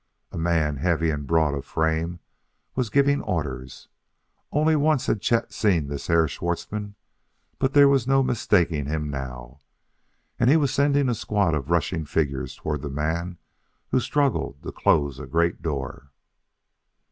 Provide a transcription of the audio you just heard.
A man, heavy and broad of frame, was giving orders. Only once had Chet seen this Herr Schwartzmann, but there was no mistaking him now. And he was sending a squad of rushing figures toward the man who struggled to close a great door.